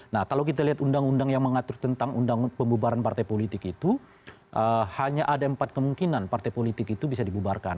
nah kalau kita lihat undang undang yang mengatur tentang pembubaran partai politik itu hanya ada empat kemungkinan partai politik itu bisa dibubarkan